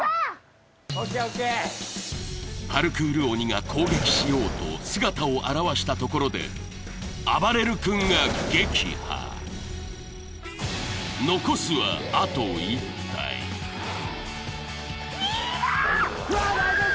よっしゃパルクール鬼が攻撃しようと姿を現したところであばれる君が撃破残すはあと１体イヤあーっ！